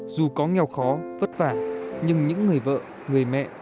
dù có nghèo khó vất vả nhưng những người vợ người mẹ